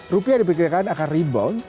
rupiah diperkirakan akan rebound